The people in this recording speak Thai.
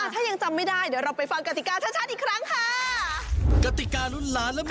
ถ้ายังจำไม่ได้เดี๋ยวเราไปฟังกติกาชัดอีกครั้งค่ะ